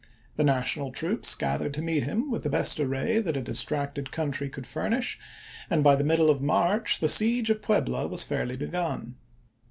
The national troops gathered to meet him with the best array that a distracted country could furnish, and by the middle of March the siege of Puebla was fairly begun.